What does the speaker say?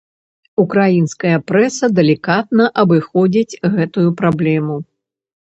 Украінская прэса далікатна абыходзіць гэтую праблему.